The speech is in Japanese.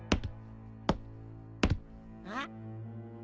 あっ？